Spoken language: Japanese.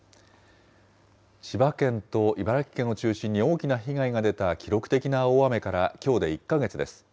千葉県と茨城県を中心に大きな被害が出た記録的な大雨から、きょうで１か月です。